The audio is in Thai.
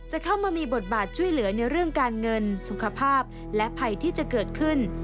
เข้ามามีบทบาทช่วยเหลือในเรื่องการเงินสุขภาพและภัยที่จะเกิดขึ้น